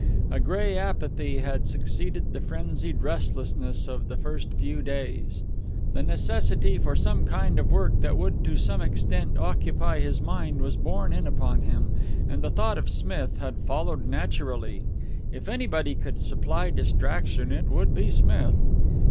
A gray apathy had succeeded the frenzied restlessness of the first few days. The necessity for some kind of work that would to some extent occupy his mind was borne in upon him, and the thought of Smith had followed naturally. If anybody could supply distraction, it would be Smith.